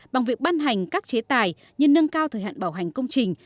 bằng việc ban hành các chế tài như nâng cao thời hạn bảo hành công trình